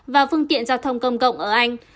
và phương tiện giao thông công cộng ở anh